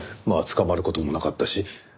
まあ捕まる事もなかったし。